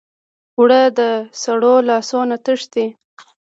اوړه د سړو لاسو نه تښتي